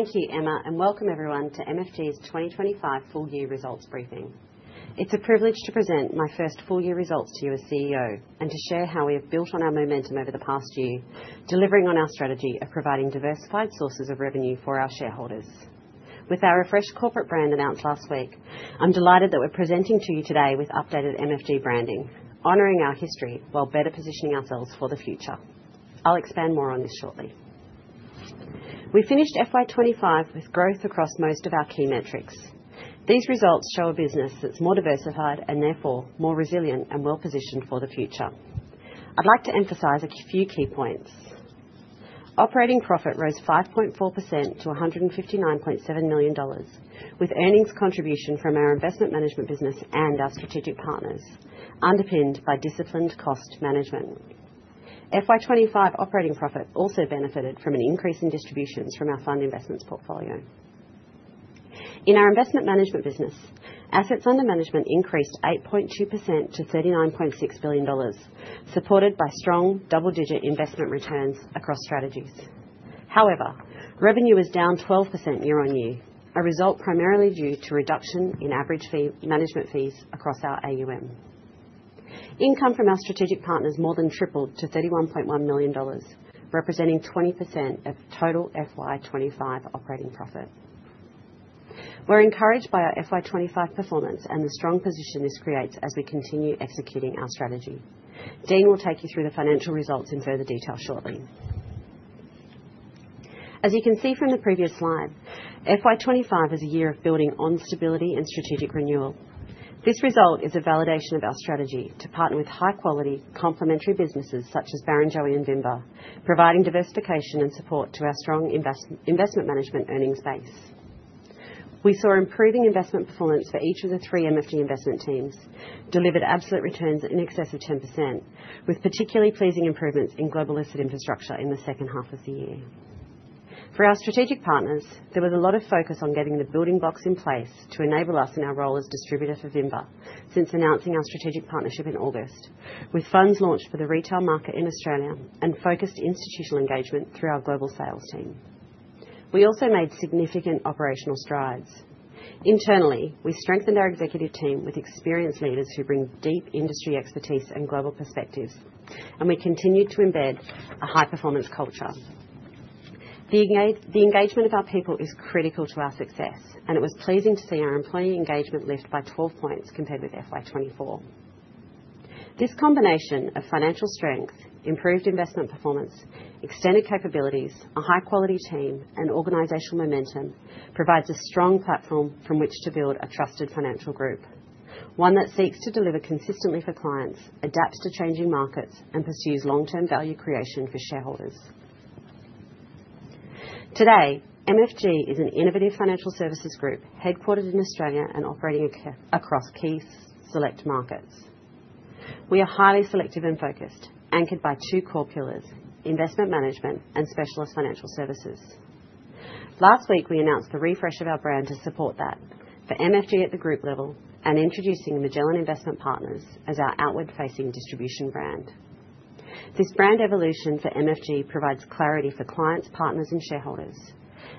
Thank you, Emma, and welcome everyone to MFG's 2025 full-year results briefing. It's a privilege to present my first full-year results to you as CEO and to share how we have built on our momentum over the past year, delivering on our strategy of providing diversified sources of revenue for our shareholders. With our refreshed corporate brand announced last week, I'm delighted that we're presenting to you today with updated MFG branding, honoring our history while better positioning ourselves for the future. I'll expand more on this shortly. We finished FY2025 with growth across most of our key metrics. These results show a business that's more diversified and therefore more resilient and well-positioned for the future. I'd like to emphasize a few key points. Operating profit rose 5.4% to $159.7 million, with earnings contribution from our investment management business and our strategic partners, underpinned by disciplined cost management. FY2025 operating profit also benefited from an increase in distributions from our fund investments portfolio. In our investment management business, assets under management increased 8.2% to $39.6 billion, supported by strong double-digit investment returns across strategies. However, revenue was down 12% year-on-year, a result primarily due to reduction in average management fees across our AUM. Income from our strategic partners more than tripled to $31.1 million, representing 20% of total FY2025 operating profit. We're encouraged by our FY2025 performance and the strong position this creates as we continue executing our strategy. Dean will take you through the financial results in further detail shortly. As you can see from the previous slide, FY2025 is a year of building on stability and strategic renewal. This result is a validation of our strategy to partner with high-quality, complementary businesses such as Barrenjoey and Vinva, providing diversification and support to our strong investment management earnings base. We saw improving investment performance for each of the three MFG investment teams delivered absolute returns in excess of 10%, with particularly pleasing improvements in global asset infrastructure in the second half of the year. For our strategic partners, there was a lot of focus on getting the building blocks in place to enable us in our role as distributor for Vinva, since announcing our strategic partnership in August, with funds launched for the retail market in Australia and focused institutional engagement through our global sales team. We also made significant operational strides. Internally, we strengthened our executive team with experienced leaders who bring deep industry expertise and global perspectives, and we continued to embed a high-performance culture. The engagement of our people is critical to our success, and it was pleasing to see our employee engagement lift by 12 points compared with FY2024. This combination of financial strength, improved investment performance, extended capabilities, a high-quality team, and organizational momentum provides a strong platform from which to build a trusted financial group, one that seeks to deliver consistently for clients, adapts to changing markets, and pursues long-term value creation for shareholders. Today, MFG is an innovative financial services group headquartered in Australia and operating across key select markets. We are highly selective and focused, anchored by two core pillars: investment management and specialist financial services. Last week, we announced the refresh of our brand to support that for MFG at the group level and introducing Magellan Investment Partners as our outward-facing distribution brand. This brand evolution for MFG provides clarity for clients, partners, and shareholders,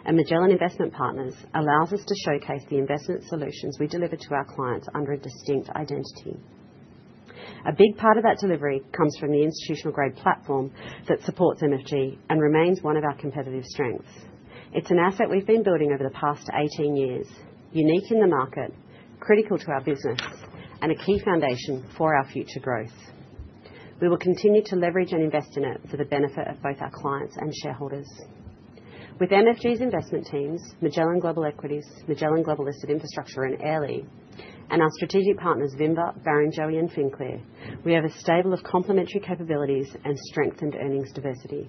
and Magellan Investment Partners allows us to showcase the investment solutions we deliver to our clients under a distinct identity. A big part of that delivery comes from the institutional-grade platform that supports MFG and remains one of our competitive strengths. It's an asset we've been building over the past 18 years, unique in the market, critical to our business, and a key foundation for our future growth. We will continue to leverage and invest in it for the benefit of both our clients and shareholders. With MFG's investment teams, Magellan Global Equities, Magellan Global Listed Infrastructure and Airlie, and our strategic partners Vinva, Barrenjoey, and FinClear, we have a stable of complementary capabilities and strengthened earnings diversity.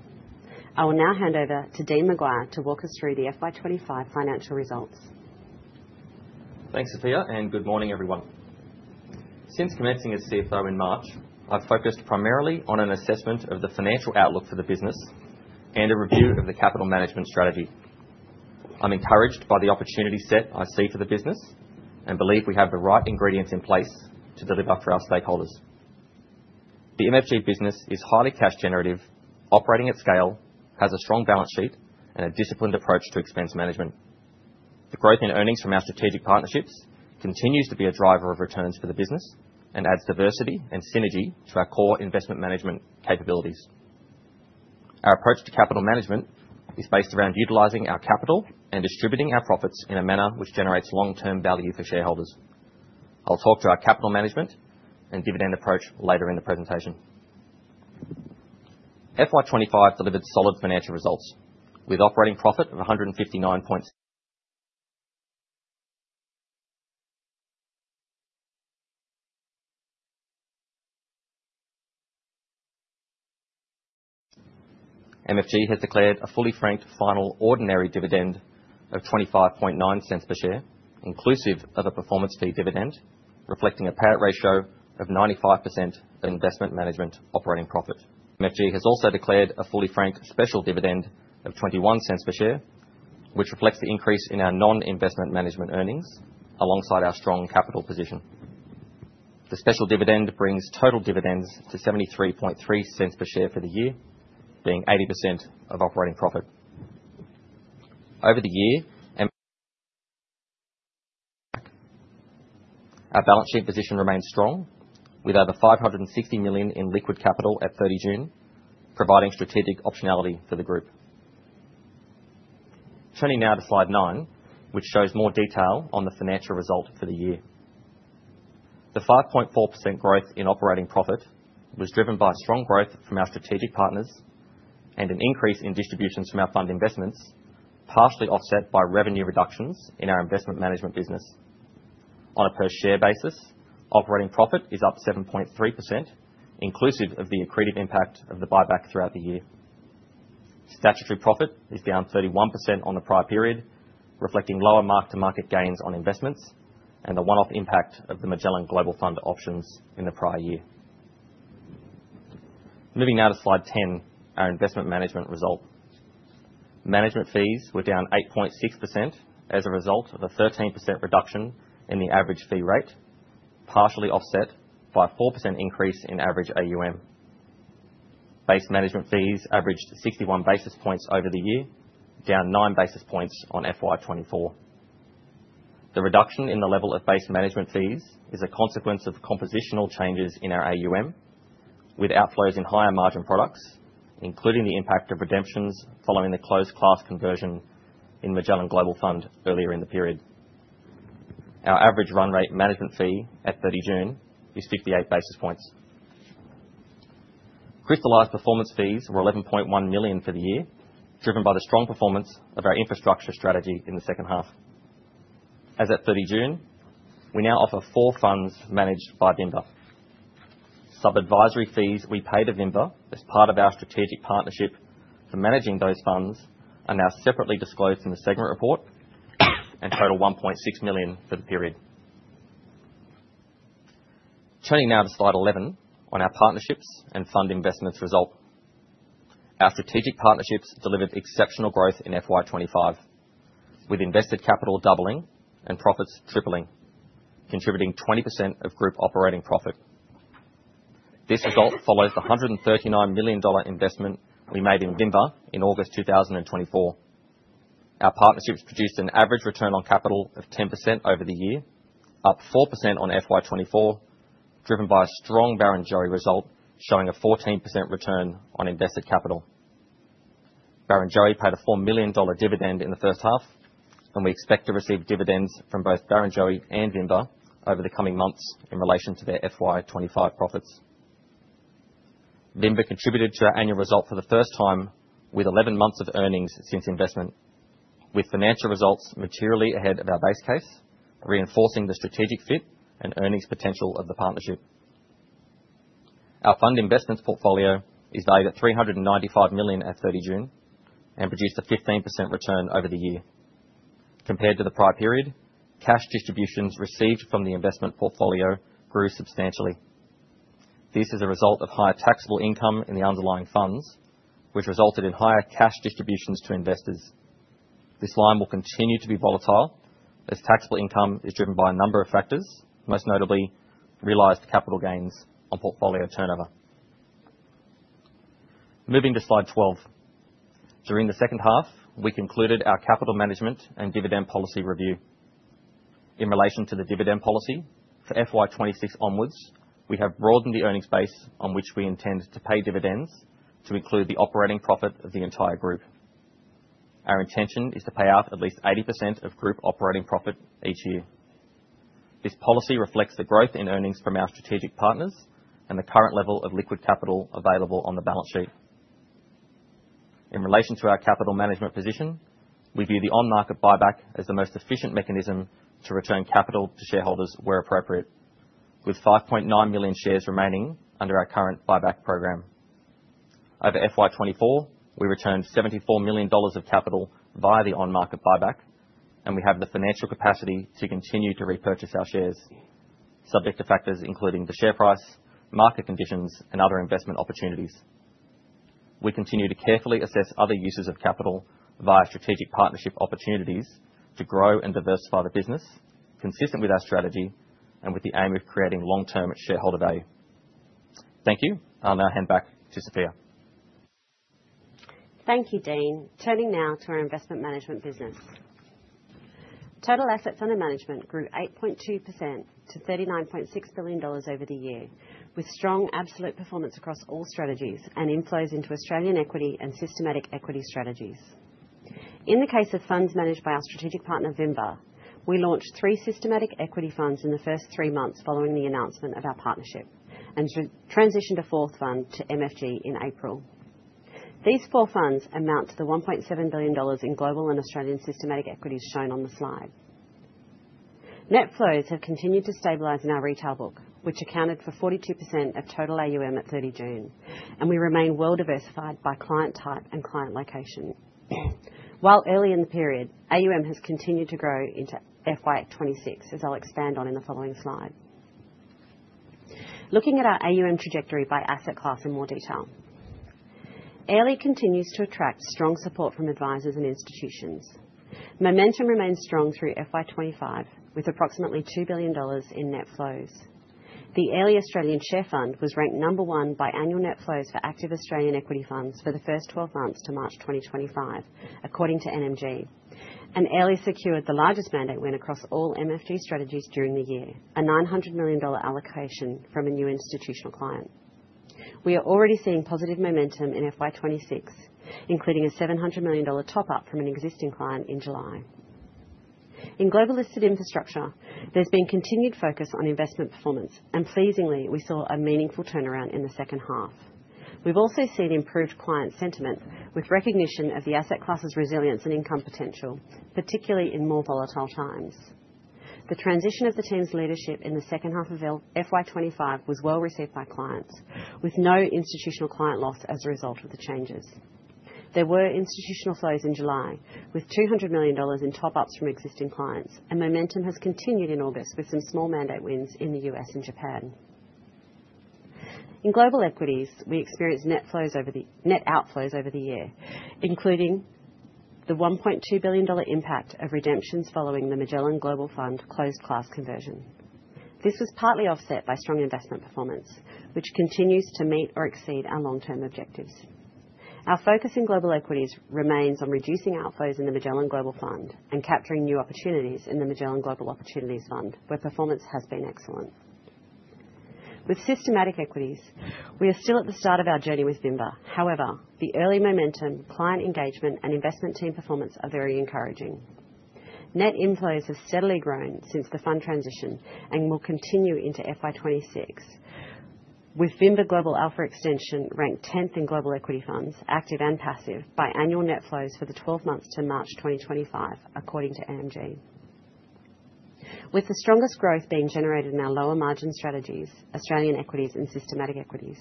I will now hand over to Dean McGuire to walk us through the FY2025 financial results. Thanks, Sophia, and good morning, everyone. Since commencing as CFO in March, I've focused primarily on an assessment of the financial outlook for the business and a review of the capital management strategy. I'm encouraged by the opportunity set I see for the business and believe we have the right ingredients in place to deliver for our stakeholders. The MFG business is highly cash-generative, operating at scale, has a strong balance sheet, and a disciplined approach to expense management. The growth in earnings from our strategic partnerships continues to be a driver of returns for the business and adds diversity and synergy to our core investment management capabilities. Our approach to capital management is based around utilizing our capital and distributing our profits in a manner which generates long-term value for shareholders. I'll talk to our capital management and dividend approach later in the presentation. FY2025 delivered solid financial results with operating profit of 159 points. MFG has declared a fully franked final ordinary dividend of $0.259 per share, inclusive of a performance fee dividend, reflecting a payout ratio of 95% of investment management operating profit. MFG has also declared a fully franked special dividend of $0.21 per share, which reflects the increase in our non-investment management earnings alongside our strong capital position. The special dividend brings total dividends to $0.733 per share for the year, being 80% of operating profit. Over the year, our balance sheet position remains strong with over $560 million in liquid capital at 30th June, providing strategic optionality for the group. Turning now to slide nine, which shows more detail on the financial result for the year. The 5.4% growth in operating profit was driven by strong growth from our strategic partners and an increase in distributions from our fund investments, partially offset by revenue reductions in our investment management business. On a per share basis, operating profit is up 7.3%, inclusive of the accretive impact of the buyback throughout the year. Statutory profit is down 31% on the prior period, reflecting lower mark-to-market gains on investments and the one-off impact of the Magellan Global Fund options in the prior year. Moving now to slide 10, our investment management result. Management fees were down 8.6% as a result of a 13% reduction in the average fee rate, partially offset by a 4% increase in average assets under management. Base management fees averaged 61 basis points over the year, down 9 basis points on FY2024. The reduction in the level of base management fees is a consequence of compositional changes in our AUM, with outflows in higher margin products, including the impact of redemptions following the closed class conversion in Magellan Global Fund earlier in the period. Our average run rate management fee at 30th June is 58 basis points. Crystallized performance fees were $11.1 million for the year, driven by the strong performance of our infrastructure strategy in the second half. As at 30th June, we now offer four funds managed by Vinva. Sub-advisory fees we pay to Vinva as part of our strategic partnership for managing those funds are now separately disclosed in the segment report, and total $1.6 million for the period. Turning now to slide 11 on our partnerships and fund investments result. Our strategic partnerships delivered exceptional growth in FY2025, with invested capital doubling and profits tripling, contributing 20% of group operating profit. This result follows the $139 million investment we made in Vinva in August 2024. Our partnerships produced an average return on capital of 10% over the year, up 4% on FY2024, driven by a strong Barrenjoey result showing a 14% return on invested capital. Barrenjoey paid a $4 million dividend in the first half, and we expect to receive dividends from both Barrenjoey and Vinva over the coming months in relation to their FY2025 profits. Vinva contributed to our annual result for the first time with 11 months of earnings since investment, with financial results materially ahead of our base case, reinforcing the strategic fit and earnings potential of the partnership. Our fund investments portfolio is valued at $395 million at 30th June and produced a 15% return over the year. Compared to the prior period, cash distributions received from the investment portfolio grew substantially. This is a result of higher taxable income in the underlying funds, which resulted in higher cash distributions to investors. This line will continue to be volatile as taxable income is driven by a number of factors, most notably realized capital gains on portfolio turnover. Moving to slide 12. During the second half, we concluded our capital management and dividend policy review. In relation to the dividend policy, for FY2026 onwards, we have broadened the earnings base on which we intend to pay dividends to include the operating profit of the entire group. Our intention is to pay out at least 80% of group operating profit each year. This policy reflects the growth in earnings from our strategic partners and the current level of liquid capital available on the balance sheet. In relation to our capital management position, we view the on-market buyback as the most efficient mechanism to return capital to shareholders where appropriate, with 5.9 million shares remaining under our current buyback program. Over FY2024, we returned $74 million of capital via the on-market buyback, and we have the financial capacity to continue to repurchase our shares, subject to factors including the share price, market conditions, and other investment opportunities. We continue to carefully assess other uses of capital via strategic partnership opportunities to grow and diversify the business, consistent with our strategy and with the aim of creating long-term shareholder value. Thank you. I'll now hand back to Sophia. Thank you, Dean. Turning now to our investment management business. Total assets under management grew 8.2% to $39.6 billion over the year, with strong absolute performance across all strategies and inflows into Australian equity and systematic equity strategies. In the case of funds managed by our strategic partner Vinva, we launched three systematic equity funds in the first three months following the announcement of our partnership and transitioned a fourth fund to MFG in April. These four funds amount to the $1.7 billion in global and Australian systematic equities shown on the slide. Net flows have continued to stabilize in our retail book, which accounted for 42% of total AUM at 30th June, and we remain well-diversified by client type and client location. While early in the period, AUM has continued to grow into FY2026, as I'll expand on in the following slide. Looking at our AUM trajectory by asset class in more detail, Airlie continues to attract strong support from advisors and institutions. Momentum remains strong through FY2025, with approximately $2 billion in net flows. The Airlie Australian Share Fund was ranked number one by annual net flows for active Australian equity funds for the first 12 months to March 2025, according to NMG, and Airlie secured the largest mandate win across all MFG strategies during the year, a $900 million allocation from a new institutional client. We are already seeing positive momentum in FY2026, including a $700 million top-up from an existing client in July. In global listed infrastructure, there's been continued focus on investment performance, and pleasingly, we saw a meaningful turnaround in the second half. We've also seen improved client sentiment, with recognition of the asset class's resilience and income potential, particularly in more volatile times. The transition of the team's leadership in the second half of FY2025 was well received by clients, with no institutional client loss as a result of the changes. There were institutional flows in July, with $200 million in top-ups from existing clients, and momentum has continued in August with some small mandate wins in the U.S. and Japan. In global equities, we experienced net outflows over the year, including the $1.2 billion impact of redemptions following the MFG closed class conversion. This was partly offset by strong investment performance, which continues to meet or exceed our long-term objectives. Our focus in global equities remains on reducing outflows in the Magellan Global Fund and capturing new opportunities in the Magellan Global Opportunities Fund, where performance has been excellent. With systematic equities, we are still at the start of our journey with Vinva. However, the early momentum, client engagement, and investment team performance are very encouraging. Net inflows have steadily grown since the fund transition and will continue into FY2026, with Vinva Global Alpha Extension ranked 10th in global equity funds, active and passive, by annual net flows for the 12 months to March 2025, according to NMG. With the strongest growth being generated in our lower margin strategies, Australian equities, and systematic equities,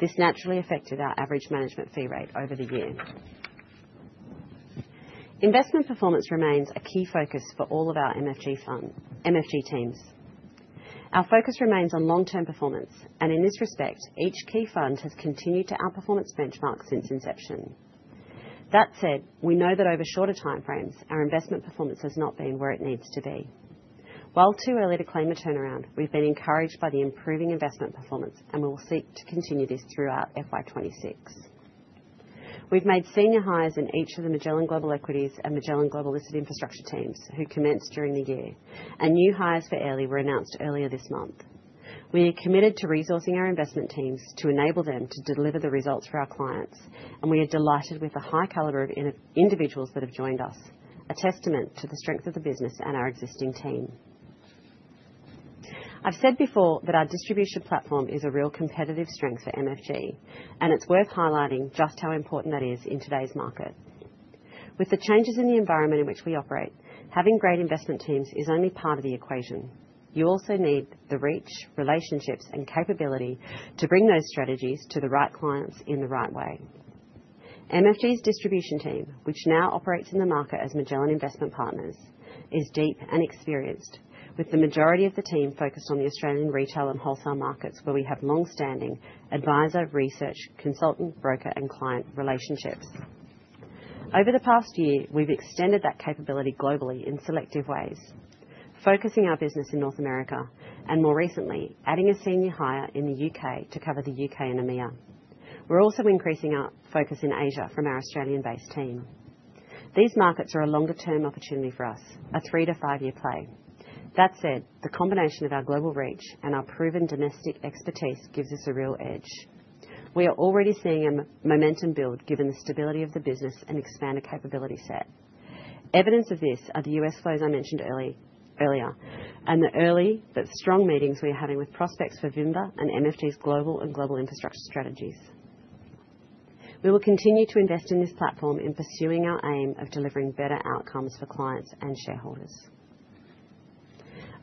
this naturally affected our average management fee rate over the year. Investment performance remains a key focus for all of our MFG teams. Our focus remains on long-term performance, and in this respect, each key fund has continued to outperform its benchmarks since inception. That said, we know that over shorter timeframes, our investment performance has not been where it needs to be. While too early to claim a turnaround, we've been encouraged by the improving investment performance, and we will seek to continue this throughout FY2026. We've made senior hires in each of the Magellan Global Equities and Magellan Global Listed Infrastructure teams who commenced during the year, and new hires for Airlie were announced earlier this month. We are committed to resourcing our investment teams to enable them to deliver the results for our clients, and we are delighted with the high caliber of individuals that have joined us, a testament to the strength of the business and our existing team. I've said before that our distribution platform is a real competitive strength for MFG, and it's worth highlighting just how important that is in today's market. With the changes in the environment in which we operate, having great investment teams is only part of the equation. You also need the reach, relationships, and capability to bring those strategies to the right clients in the right way. MFG's distribution team, which now operates in the market as Magellan Investment Partners, is deep and experienced, with the majority of the team focused on the Australian retail and wholesale markets, where we have longstanding advisor, research, consultant, broker, and client relationships. Over the past year, we've extended that capability globally in selective ways, focusing our business in North America and more recently adding a senior hire in the U.K. to cover the U.K. and EMEA. We're also increasing our focus in Asia from our Australian-based team. These markets are a longer-term opportunity for us, a three to five-year play. That said, the combination of our global reach and our proven domestic expertise gives us a real edge. We are already seeing a momentum build given the stability of the business and expanded capability set. Evidence of this are the U.S. flows I mentioned earlier and the early but strong meetings we are having with prospects for Vinva and MFG's global and global infrastructure strategies. We will continue to invest in this platform in pursuing our aim of delivering better outcomes for clients and shareholders.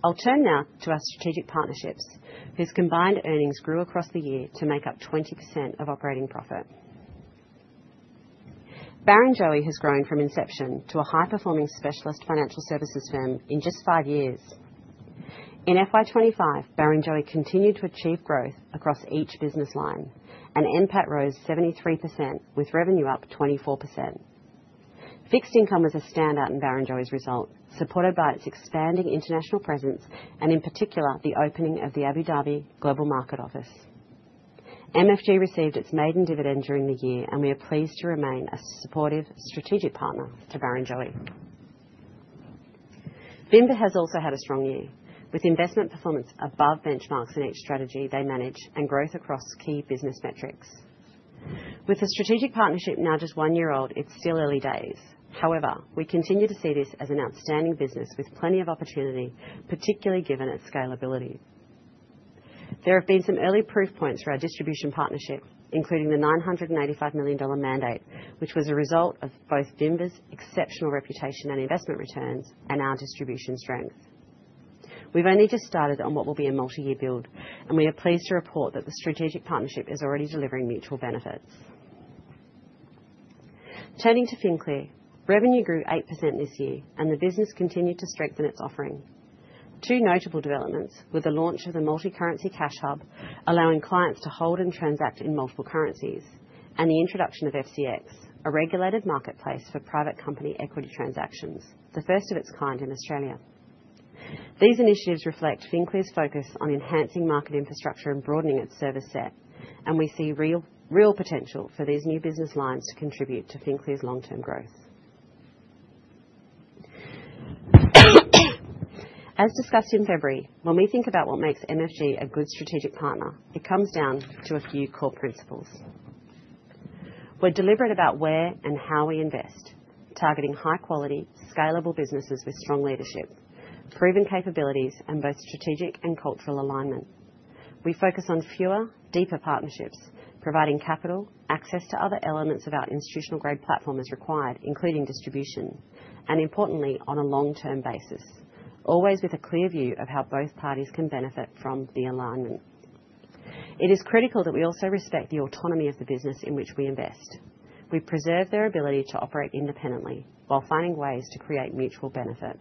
I'll turn now to our strategic partnerships, whose combined earnings grew across the year to make up 20% of operating profit. Barrenjoey has grown from inception to a high-performing specialist financial services firm in just five years. In FY2025, Barrenjoey continued to achieve growth across each business line, and impact rose 73%, with revenue up 24%. Fixed income was a standout in Barrenjoey's result, supported by its expanding international presence and, in particular, the opening of the Abu Dhabi Global Market office. MFG received its maiden dividend during the year, and we are pleased to remain a supportive strategic partner to Barrenjoey. Vinva has also had a strong year, with investment performance above benchmarks in each strategy they manage and growth across key business metrics. With a strategic partnership now just one year old, it's still early days. However, we continue to see this as an outstanding business with plenty of opportunity, particularly given its scalability. There have been some early proof points for our distribution partnership, including the $985 million mandate, which was a result of both Vinva's exceptional reputation and investment returns and our distribution strength. We've only just started on what will be a multi-year build, and we are pleased to report that the strategic partnership is already delivering mutual benefits. Turning to FinClear, revenue grew 8% this year, and the business continued to strengthen its offering. Two notable developments were the launch of the multi-currency cash hub, allowing clients to hold and transact in multiple currencies, and the introduction of FCX, a regulated marketplace for private company equity transactions, the first of its kind in Australia. These initiatives reflect FinClear's focus on enhancing market infrastructure and broadening its service set, and we see real potential for these new business lines to contribute to FinClear's long-term growth. As discussed in February, when we think about what makes MFG a good strategic partner, it comes down to a few core principles. We're deliberate about where and how we invest, targeting high quality, scalable businesses with strong leadership, proven capabilities, and both strategic and cultural alignment. We focus on fewer, deeper partnerships, providing capital, access to other elements of our institutional-grade platform as required, including distribution, and importantly, on a long-term basis, always with a clear view of how both parties can benefit from the alignment. It is critical that we also respect the autonomy of the business in which we invest. We preserve their ability to operate independently while finding ways to create mutual benefit.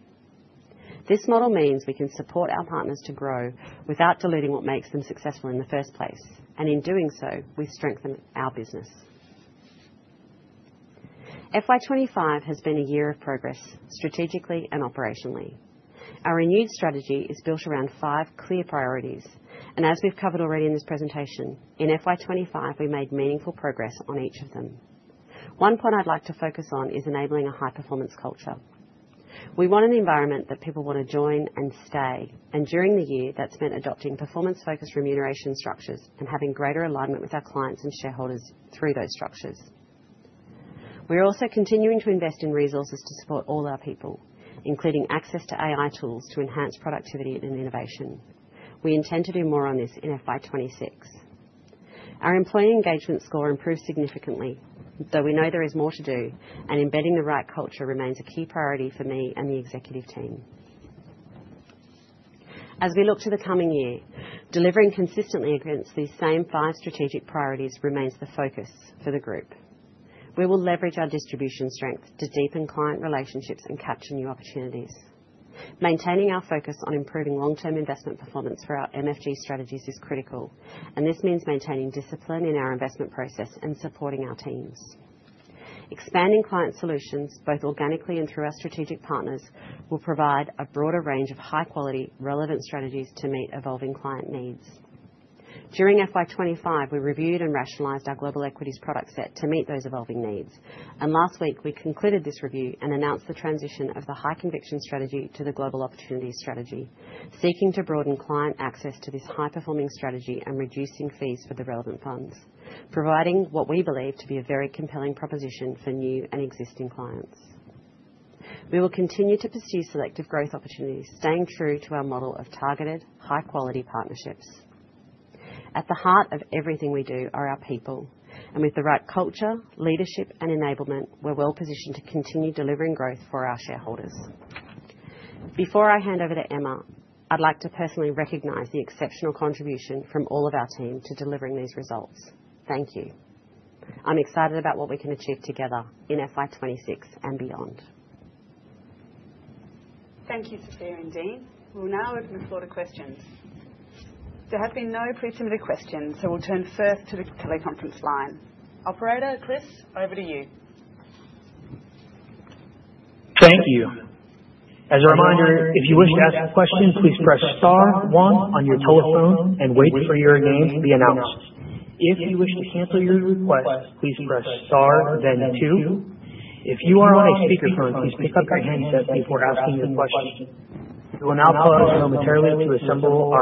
This model means we can support our partners to grow without deleting what makes them successful in the first place, and in doing so, we strengthen our business. FY2025 has been a year of progress strategically and operationally. Our renewed strategy is built around five clear priorities, and as we've covered already in this presentation, in FY2025, we made meaningful progress on each of them. One point I'd like to focus on is enabling a high-performance culture. We want an environment that people want to join and stay, and during the year, that's meant adopting performance-focused remuneration structures and having greater alignment with our clients and shareholders through those structures. We are also continuing to invest in resources to support all our people, including access to AI tools to enhance productivity and innovation. We intend to do more on this in FY2026. Our employee engagement score improved significantly, though we know there is more to do, and embedding the right culture remains a key priority for me and the executive team. As we look to the coming year, delivering consistently against these same five strategic priorities remains the focus for the group. We will leverage our distribution strength to deepen client relationships and capture new opportunities. Maintaining our focus on improving long-term investment performance for our MFG strategies is critical, and this means maintaining discipline in our investment process and supporting our teams. Expanding client solutions, both organically and through our strategic partners, will provide a broader range of high-quality, relevant strategies to meet evolving client needs. During FY2025, we reviewed and rationalized our global equities product set to meet those evolving needs, and last week, we concluded this review and announced the transition of the high conviction strategy to the global opportunity strategy, seeking to broaden client access to this high-performing strategy and reducing fees for the relevant funds, providing what we believe to be a very compelling proposition for new and existing clients. We will continue to pursue selective growth opportunities, staying true to our model of targeted, high-quality partnerships. At the heart of everything we do are our people, and with the right culture, leadership, and enablement, we're well positioned to continue delivering growth for our shareholders. Before I hand over to Emma, I'd like to personally recognize the exceptional contribution from all of our teams to delivering these results. Thank you. I'm excited about what we can achieve together in FY2026 and beyond. Thank you, Sophia and Dean. We'll now open the floor to questions. There have been no pre-term questions, so we'll turn first to the teleconference line. Operator, Chris, over to you. Thank you. As a reminder, if you wish to ask questions, please press star, one on your telephone and wait for your names to be announced. If you wish to cancel your request, please press star, two. If you are on a speakerphone, please pick up your headset before asking your question. We will now call on the room to assemble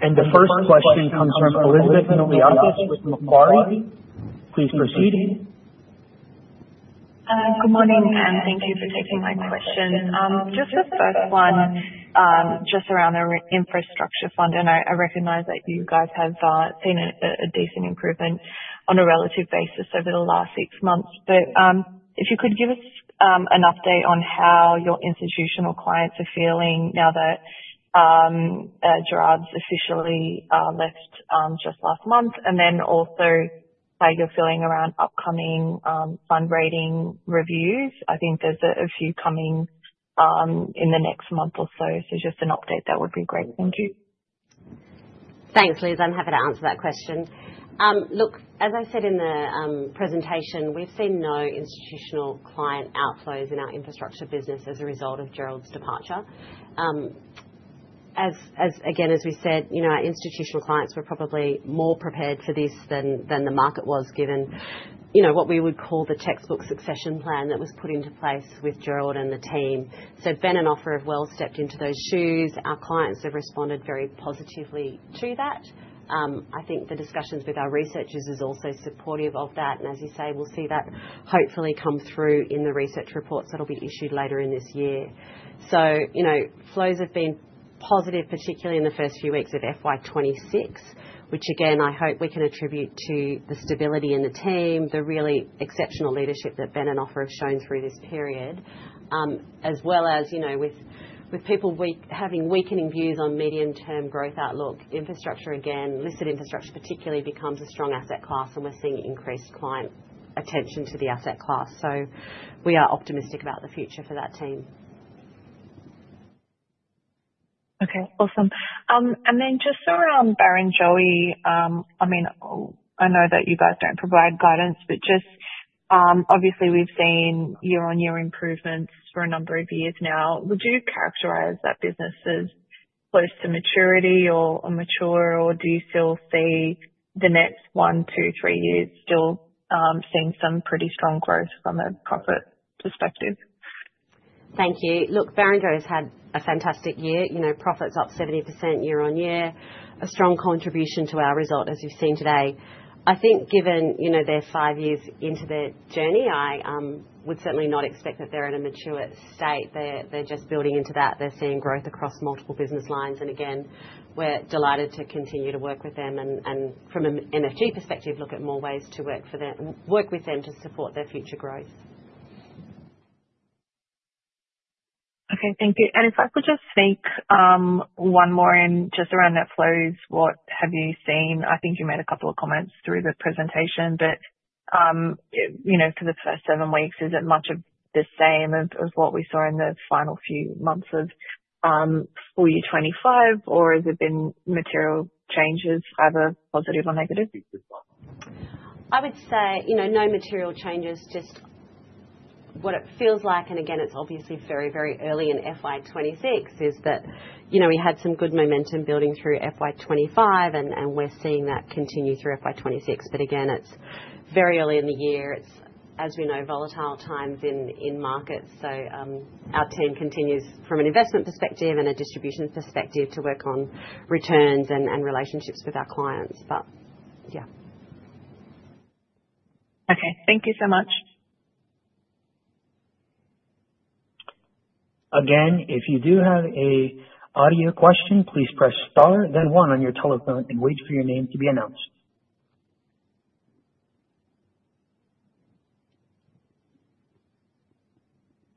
and allow up. The first question comes from Elizabeth O'Leary with Macquarie. Please proceed. Good morning, and thank you for taking my question. I was just the first one just around our infrastructure fund, and I recognize that you guys have seen a decent improvement on a relative basis over the last six months. If you could give us an update on how your institutional clients are feeling now that Gerard's officially left just last month, and also how you're feeling around upcoming fund rating reviews. I think there's a few coming in the next month or so, so just an update that would be great. Thank you. Thanks, Liz. I'm happy to answer that question. As I said in the presentation, we've seen no institutional client outflows in our infrastructure business as a result of Gerard's departure. As we said, our institutional clients were probably more prepared for this than the market was given what we would call the textbook succession plan that was put into place with Gerard and the team. Ben and Offer have well stepped into those shoes. Our clients have responded very positively to that. I think the discussions with our researchers are also supportive of that, and as you say, we'll see that hopefully come through in the research reports that will be issued later in this year. Flows have been positive, particularly in the first few weeks of FY2026, which I hope we can attribute to the stability in the team, the really exceptional leadership that Ben and Offer have shown through this period, as well as with people having weakening views on medium-term growth outlook. Infrastructure, listed infrastructure particularly, becomes a strong asset class, and we're seeing increased client attention to the asset class. We are optimistic about the future for that team. Okay, awesome. Just around Barrenjoey, I know that you guys don't provide guidance, but obviously we've seen year-on-year improvements for a number of years now. Would you characterize that business as close to maturity or mature, or do you still see the next one, two, three years still seeing some pretty strong growth from a profit perspective? Thank you. Look, Barrenjoey's had a fantastic year. Profits up 70% year-on-year, a strong contribution to our result, as you've seen today. I think given they're five years into the journey, I would certainly not expect that they're at a mature state. They're just building into that. They're seeing growth across multiple business lines, and again, we're delighted to continue to work with them and, from an MFG perspective, look at more ways to work for them, work with them to support their future growth. Okay, thank you. If I could just speak one more in just around net flows, what have you seen? I think you made a couple of comments through the presentation, but you know for the first seven weeks, is it much of the same as what we saw in the final few months of full year 2025, or has there been material changes, either positive or negative? I would say no material changes. Just what it feels like, and again, it's obviously very, very early in FY2026, is that we had some good momentum building through FY2025, and we're seeing that continue through FY2026. Again, it's very early in the year. As we know, volatile times in markets. Our team continues from an investment perspective and a distribution perspective to work on returns and relationships with our clients. But yeah. Okay, thank you so much. Again, if you do have an audio question, please press star then one on your telephone and wait for your name to be announced.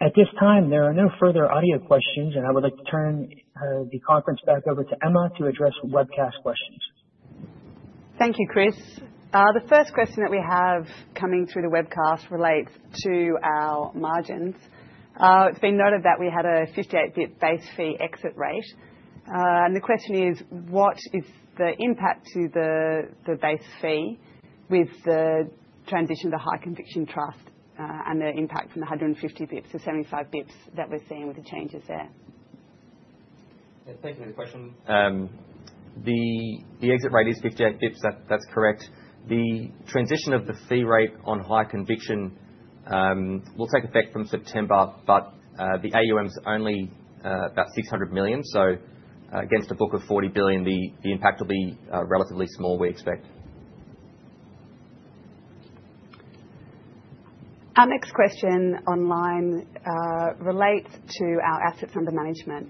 At this time, there are no further audio questions, and I would like to turn the conference back over to Emma to address webcast questions. Thank you, Chris. The first question that we have coming through the webcast relates to our margins. It's been noted that we had a 58 bps base fee exit rate. The question is, what is the impact to the base fee with the transition to High Conviction Trust and the impact from the 150 bps-75 bps that we're seeing with the changes there? Thank you for the question. The exit rate is 58 bps. That's correct. The transition of the fee rate on High Conviction will take effect from September, but the AUM is only about $600 million. Against a book of $40 billion, the impact will be relatively small, we expect. Our next question online relates to our assets under management.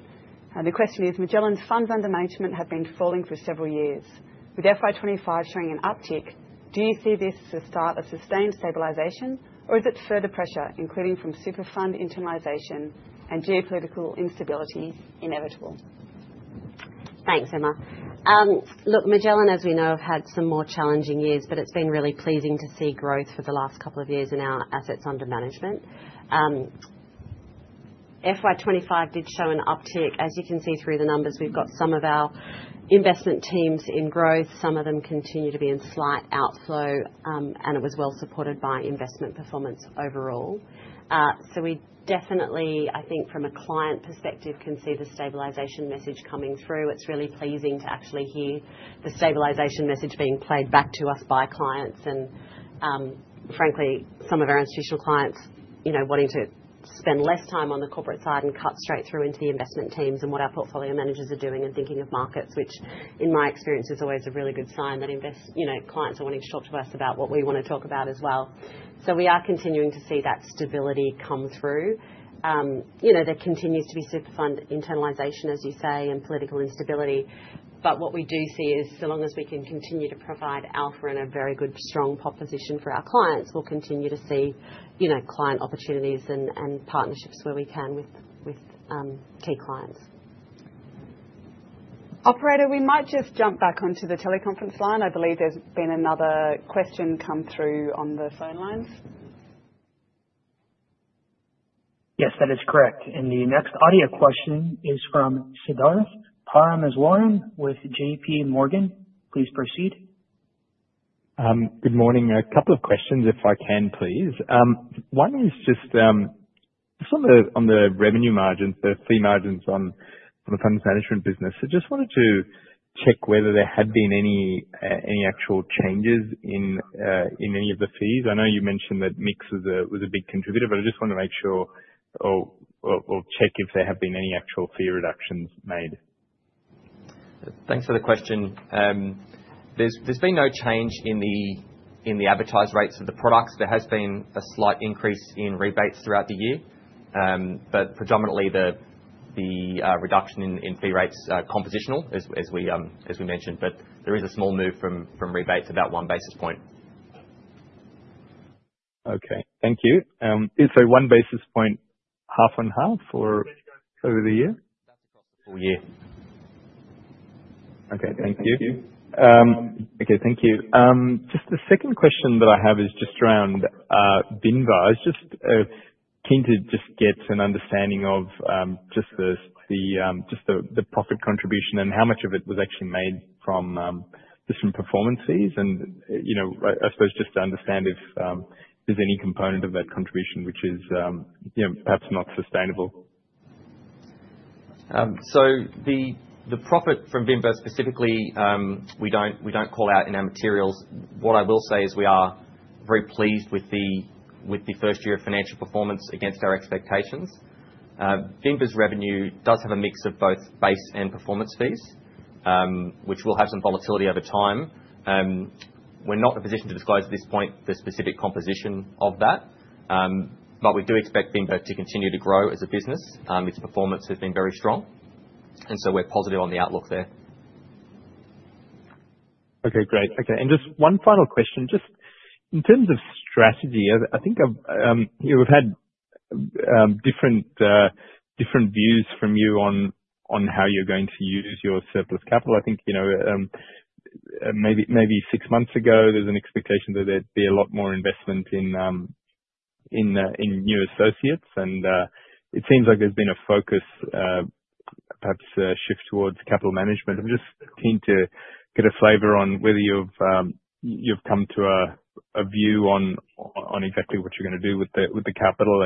The question is, Magellan's funds under management have been falling for several years, with FY2025 showing an uptick. Do you see this to start a sustained stabilisation, or is it further pressure, including from super fund internalisation and geopolitical instability inevitable? Thanks, Emma. Look, Magellan, as we know, have had some more challenging years, but it's been really pleasing to see growth for the last couple of years in our assets under management. FY2025 did show an uptick, as you can see through the numbers. We've got some of our investment teams in growth. Some of them continue to be in slight outflow, and it was well supported by investment performance overall. I think, from a client perspective, we can see the stabilisation message coming through. It's really pleasing to actually hear the stabilisation message being played back to us by clients, and frankly, some of our institutional clients wanting to spend less time on the corporate side and cut straight through into the investment teams and what our portfolio managers are doing and thinking of markets, which in my experience is always a really good sign that clients are wanting to talk to us about what we want to talk about as well. We are continuing to see that stability come through. There continues to be super fund internalisation, as you say, and political instability. What we do see is, so long as we can continue to provide alpha in a very good, strong position for our clients, we'll continue to see client opportunities and partnerships where we can with key clients. Operator, we might just jump back onto the teleconference line. I believe there's been another question come through on the phone lines. Yes, that is correct. The next audio question is from Siddharth Paramaswaran with JP Morgan. Please proceed. Good morning. A couple of questions, if I can, please. One is just some of the revenue margins, the fee margins on the fund management business. I just wanted to check whether there had been any actual changes in any of the fees. I know you mentioned that MIX was a big contributor, but I just wanted to make sure or check if there had been any actual fee reductions made. Thanks for the question. There's been no change in the advertised rates of the products. There has been a slight increase in rebates throughout the year, predominantly the reduction in fee rates is compositional, as we mentioned. There is a small move from rebates, about one basis point. Okay, thank you. One basis point half on half or over the year? The whole year. Okay, thank you. Just the second question that I have is just around Vinva. I was just keen to get an understanding of the profit contribution and how much of it was actually made from different performance fees. I suppose just to understand if there's any component of that contribution which is perhaps not sustainable. The profit from Vinva specifically, we don't call out in our materials. What I will say is we are very pleased with the first year of financial performance against our expectations. Vinva's revenue does have a mix of both base and performance fees, which will have some volatility over time. We're not in a position to disclose at this point the specific composition of that, but we do expect Vinva to continue to grow as a business. Its performance has been very strong, and we are positive on the outlook there. Okay, great. Okay. Just one final question. In terms of strategy, I think we've had different views from you on how you're going to use your surplus capital. I think, maybe six months ago, there was an expectation that there'd be a lot more investment in new associates, and it seems like there's been a focus, perhaps a shift towards capital management. I'm just keen to get a flavor on whether you've come to a view on exactly what you're going to do with the capital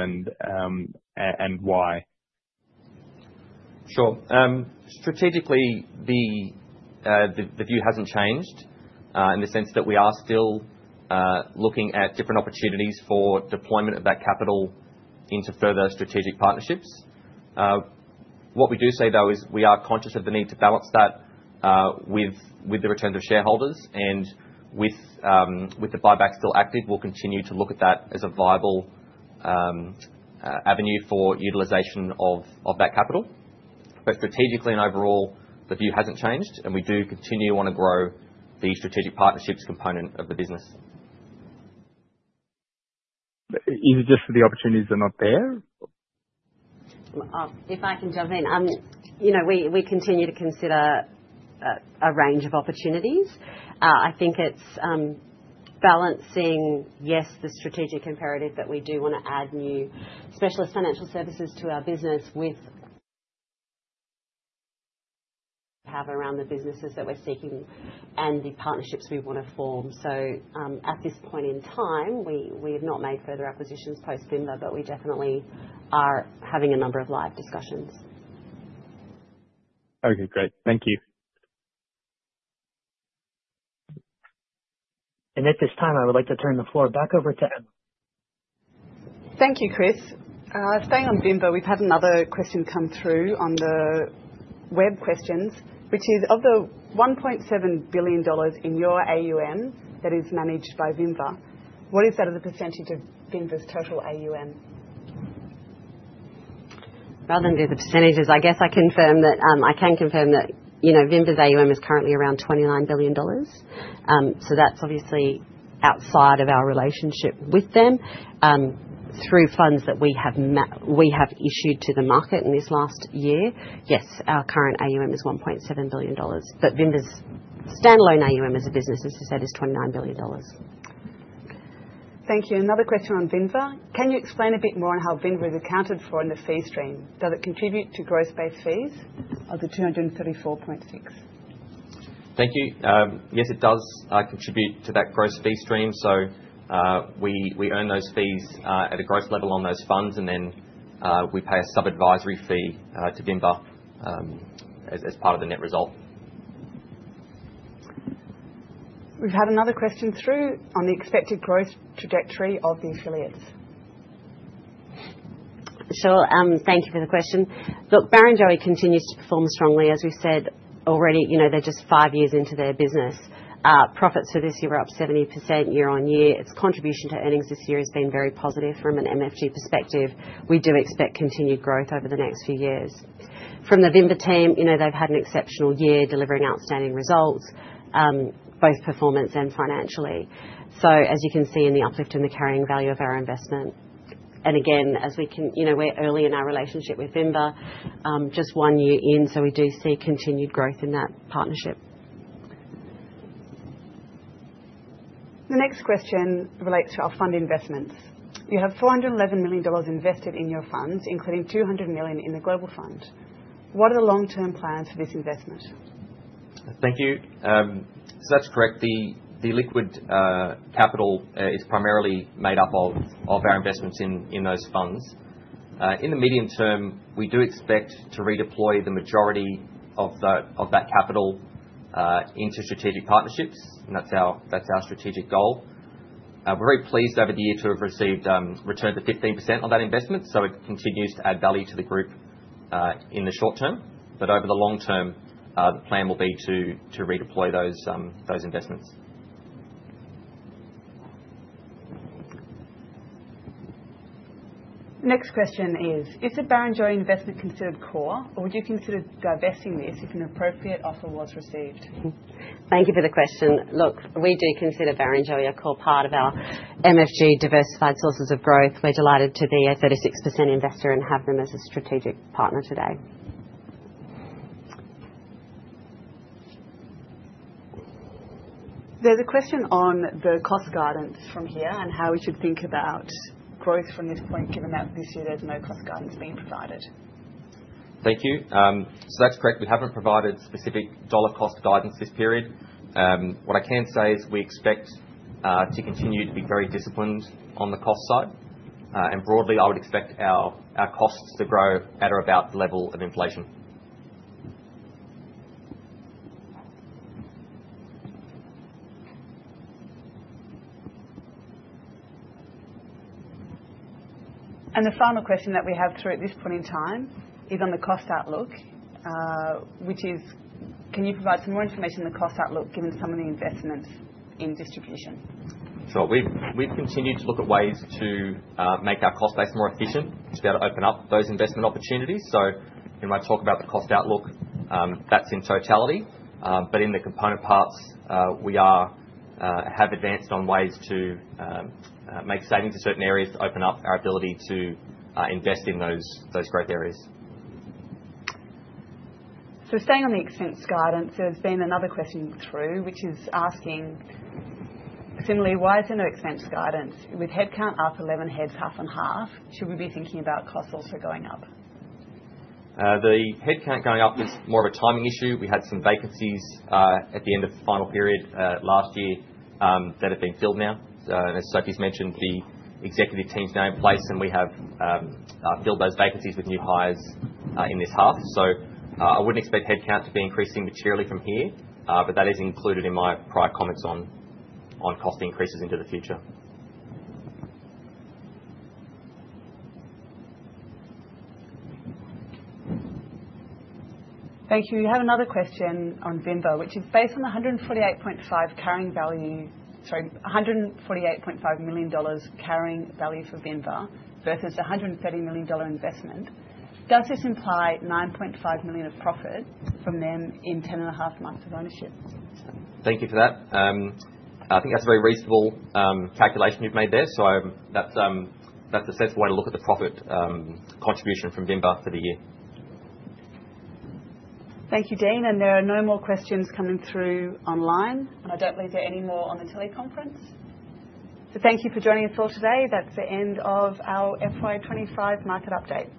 and why. Sure. Strategically, the view hasn't changed in the sense that we are still looking at different opportunities for deployment of that capital into further strategic partnerships. What we do say, though, is we are conscious of the need to balance that with the returns of shareholders, and with the buyback still active, we'll continue to look at that as a viable avenue for utilization of that capital. Strategically and overall, the view hasn't changed, and we do continue to want to grow the strategic partnerships component of the business. Even just for the opportunities that are not there? If I can jump in, we continue to consider a range of opportunities. I think it's balancing, yes, the strategic imperative that we do want to add new specialist financial services to our business with the power around the businesses that we're seeking and the partnerships we want to form. At this point in time, we have not made further acquisitions post-Vinva, but we definitely are having a number of live discussions. Okay, great. Thank you. At this time, I would like to turn the floor back over to Emma. Thank you, Chris. Staying on Vinva, we've had another question come through on the web questions, which is of the $1.7 billion in your AUM that is managed by Vinva, what is that other percentage of Vinva's total AUM? Rather than do the percentage, I guess I can confirm that, you know, Vinva's AUM is currently around $29 billion. That's obviously outside of our relationship with them through funds that we have issued to the market in this last year. Yes, our current AUM is $1.7 billion. Vinva's standalone AUM as a business, as I said, is $29 billion. Thank you. Another question on Vinva. Can you explain a bit more on how Vinva is accounted for in the fee stream? Does it contribute to gross-based fees of the $234.6? Thank you. Yes, it does contribute to that gross fee stream. We earn those fees at a gross level on those funds, and then we pay a sub-advisory fee to Vinva as part of the net result. We've had another question through on the expected growth trajectory of the affiliates. Sure. Thank you for the question. Look, Barrenjoey continues to perform strongly. As we said already, you know, they're just five years into their business. Profits for this year are up 70% year on year. Its contribution to earnings this year has been very positive from an MFG perspective. We do expect continued growth over the next few years. From the Vinva team, they've had an exceptional year delivering outstanding results, both performance and financially. As you can see in the uplift in the carrying value of our investment, and again, as we can, you know, we're early in our relationship with Vinva, just one year in, we do see continued growth in that partnership. The next question relates to our fund investments. You have $411 million invested in your funds, including $200 million in the global fund. What are the long-term plans for this investment? Thank you. That's correct. The liquid capital is primarily made up of our investments in those funds. In the medium term, we do expect to redeploy the majority of that capital into strategic partnerships, and that's our strategic goal. We're very pleased over the year to have received a return of 15% on that investment, so it continues to add value to the group in the short term. Over the long term, the plan will be to redeploy those investments. Next question is, is the Barrenjoey investment considered core, or would you consider divesting this if an appropriate offer was received? Thank you for the question. We do consider Barrenjoey a core part of our MFG diversified sources of growth. We're delighted to be a 36% investor and have them as a strategic partner today. There's a question on the cost guidance from here and how we should think about growth from this point, given that this year there's no cost guidance being provided. Thank you. That's correct. We haven't provided specific dollar cost guidance this period. What I can say is we expect to continue to be very disciplined on the cost side, and broadly, I would expect our costs to grow at or about the level of inflation. The final question that we have through at this point in time is on the cost outlook, which is, can you provide some more information on the cost outlook given some of the investments in distribution? We have continued to look at ways to make our cost base more efficient to be able to open up those investment opportunities. When I talk about the cost outlook, that's in totality, but in the component parts, we have advanced on ways to make savings in certain areas to open up our ability to invest in those growth areas. Staying on the expense guidance, there's been another question through, which is asking similarly, why isn't there expense guidance? With headcount up 11 heads half and half, should we be thinking about costs also going up? The headcount going up is more of a timing issue. We had some vacancies at the end of the final period last year that have been filled now. As Sophia's mentioned, the executive team's now in place, and we have filled those vacancies with new hires in this half. I wouldn't expect headcount to be increasing materially from here, but that is included in my prior comments on cost increases into the future. Thank you. We have another question on Vinva, which is based on the $148.5 million carrying value, sorry, $148.5 million carrying value for Vinva, versus the $130 million investment. Does this imply $9.5 million of profit from them in 10.5 months of ownership? Thank you for that. I think that's a very reasonable calculation you've made there. That's a sensible way to look at the profit contribution from Vinva for the year. Thank you, Dean. There are no more questions coming through online, and I don't believe there are any more on the teleconference. Thank you for joining us all today. That's the end of our FY2025 market update.